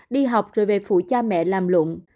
đi học rồi về phụ cha mẹ làm lụng